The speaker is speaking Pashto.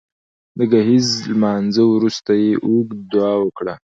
د ګهیځ لمانځه وروسته يې اوږده دعا وکړه